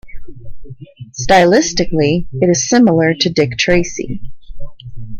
Stylistically, it is similar to Dick Tracy.